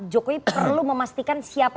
jokowi perlu memastikan siapa